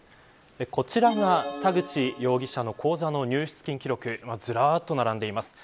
こちらが田口容疑者の口座の入出金記録ずらっと並んでいます。